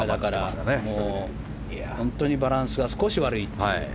本当にバランスが少し悪いという。